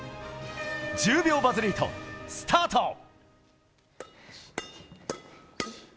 １０秒バズリート、スタート！